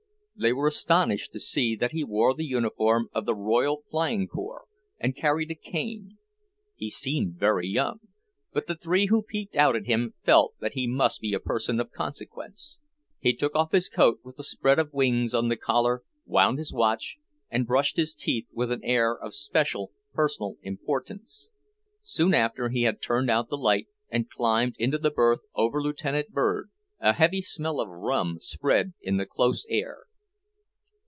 They were astonished to see that he wore the uniform of the Royal Flying Corps and carried a cane. He seemed very young, but the three who peeped out at him felt that he must be a person of consequence. He took off his coat with the spread wings on the collar, wound his watch, and brushed his teeth with an air of special personal importance. Soon after he had turned out the light and climbed into the berth over Lieutenant Bird, a heavy smell of rum spread in the close air.